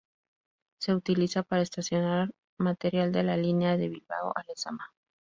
Se utiliza para estacionar material de la línea de Bilbao a Lezama.